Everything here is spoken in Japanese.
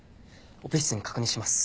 オペ室に確認します。